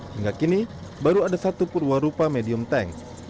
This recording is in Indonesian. hingga kini baru ada satu purwa rupa medium tank